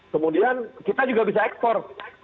kemudian kita juga bisa ekspor